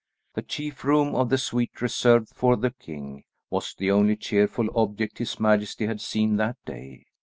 The chief room of the suite reserved for the king was the only cheerful object his majesty had seen that day.